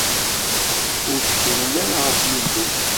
Ur ttkilen ara ɣef Yillu.